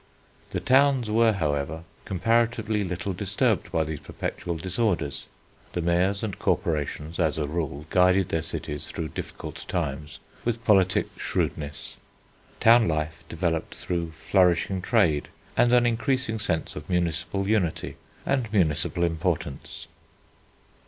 The towns were, however, comparatively little disturbed by these perpetual disorders. The mayors and corporations as a rule guided their cities through difficult times with politic shrewdness. Town life developed through flourishing trade and an increasing sense of municipal unity, and municipal importance.